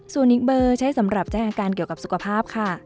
ส่วนอีกเบอร์ใช้สำหรับแจ้งอาการเกี่ยวกับสุขภาพค่ะ